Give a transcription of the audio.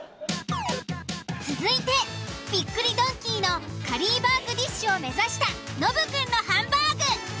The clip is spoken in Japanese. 続いて「びっくりドンキー」のカリーバーグディッシュを目指したノブくんのハンバーグ。